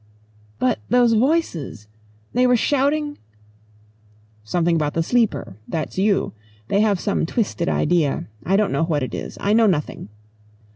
"But those voices. They were shouting ?" "Something about the Sleeper that's you. They have some twisted idea. I don't know what it is. I know nothing."